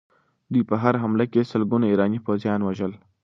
دوی په هره حمله کې سلګونه ایراني پوځیان وژل.